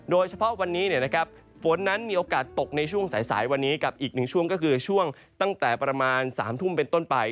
โดยเฉพาะวันนี้ฝนนั้นมีโอกาสตกในช่วงสายวันนี้กับอีกหนึ่งช่วงก็คือช่วงตั้งแต่ประมาณ๓ทุ่มเป็นต้นไป